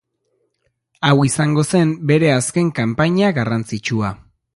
Hau izango zen bere azken kanpaina garrantzitsua.